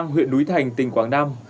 huyện núi thành tỉnh quảng nam